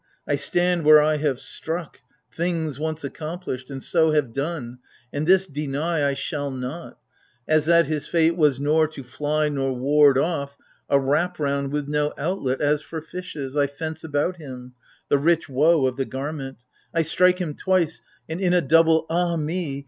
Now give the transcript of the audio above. I stand where I have struck, things once accompHshed: And so have done, — and this deny I shall not, — As that his fate was nor to fly nor ward off. A >^p rouiM with no outlet, as for fishes, I fence about him — the rich woe of the garment : I strike him twice, and in a double " Ah me